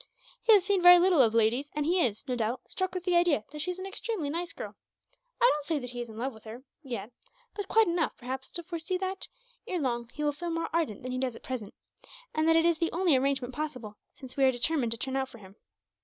"He has seen very little of ladies; and he is, no doubt, struck with the idea that she is an extremely nice girl. I don't say that he is in love with her, yet; but quite enough, perhaps, to foresee that, ere long, he will feel more ardent than he does at present; and that it is the only arrangement possible, since we are determined to turn out for him.